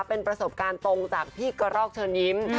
เป็นประสบการณ์ตรงจากพี่กระรอกเชิญยิ้ม